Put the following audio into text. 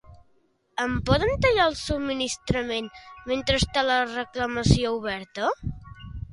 Em poden tallar el Subministrament mentre està la reclamació oberta?